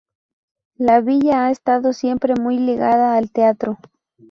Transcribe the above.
La villa ha estado siempre muy ligada al teatro.